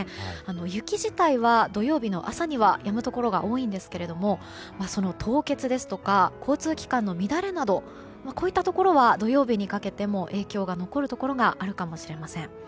雪自体は、土曜日の朝にはやむところが多いんですけども凍結ですとか交通機関の乱れなどこういったところは土曜日にかけても影響が残るところがあるかもしれません。